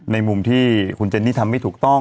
ในมุมที่คุณเจนนี่ทำไม่ถูกต้อง